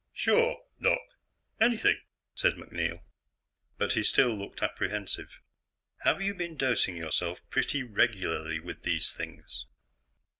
"Sure, Doc; anything," said MacNeil. But he still looked apprehensive. "Have you been dosing yourself pretty regularly with these things?"